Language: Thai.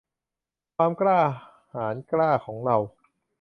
ความกล้าหาญกล้าของเรา